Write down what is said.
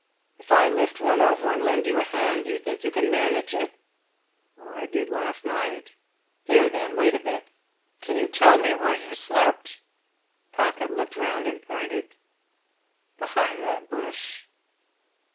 "If I lift one over, and lend you a hand, do you think you can manage it?" "I did last night." "Here, then. Wait a bit! Can you tell me where you slept?" Pocket looked round and pointed. "Behind that bush."